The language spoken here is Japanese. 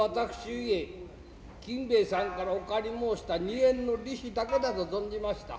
故金兵衛さんからお借り申した二円の利子だけだと存じました。